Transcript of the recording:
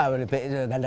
harga nya ganda sekali